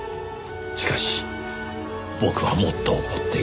しかし僕はもっと怒っています。